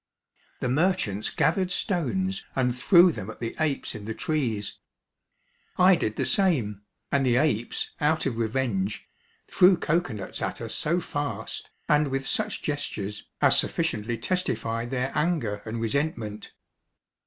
The merchants gathered stones and threw them at the apes in the trees. I did the same, and the apes, out of revenge, threw cocoa nuts at us so fast, and with such gestures, as sufficiently testified their anger and resentment.